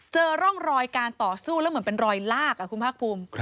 เจอร่องรอยการต่อสู้แล้วเหมือนเป็นรอยลากคุณภาคภูมิ